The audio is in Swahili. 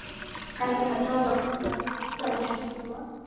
kati ya hatua za kupunguza uchafuzi wa